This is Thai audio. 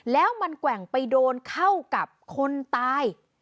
แล้วมันแกว่งไปโดนเข้ากับคนตาย